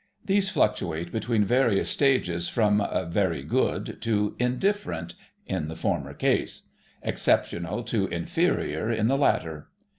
These fluctuate between various stages from "Very Good" to "Indifferent" in the former case; "Exceptional" to "Inferior" in the latter.